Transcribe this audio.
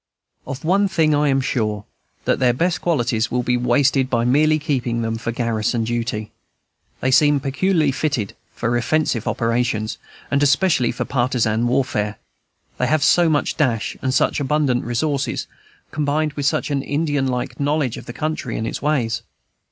Of one thing I am sure, that their best qualities will be wasted by merely keeping them for garrison duty. They seem peculiarly fitted for offensive operations, and especially for partisan warfare; they have so much dash and such abundant resources, combined with such an Indian like knowledge of the country and its ways.